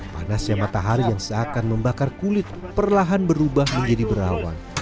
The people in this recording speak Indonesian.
panasnya matahari yang seakan membakar kulit perlahan berubah menjadi berawan